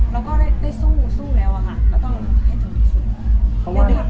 เราก็ได้สู้แล้วอะแล้วต้องให้ถึงคุณ